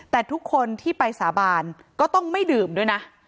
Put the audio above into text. แต่ทุกคนที่ไปสาบานก็ต้องไม่ดื่มด้วยนะ